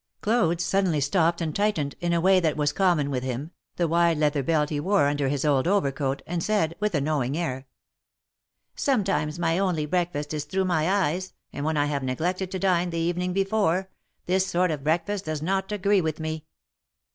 THE MARKETS OP PARIS. 47 Claude suddenly stopped and tightened, in a way that was common with him, the wide leather belt he wore under his old overcoat, and said, with a knowing air : Sometimes my only breakfast is through my eyes, and when I have neglected to dine the evening before, this sort of breakfast does not agree with me."